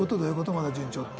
「まだ順調」って。